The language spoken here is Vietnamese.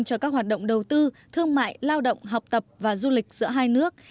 cho các hoạt động đầu tư thương mại lao động học tập và du lịch giữa hai nước